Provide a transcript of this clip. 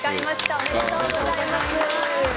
おめでとうございます。